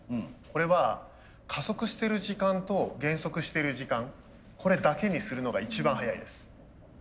これは加速してる時間と減速してる時間これだけにするのが一番速いです。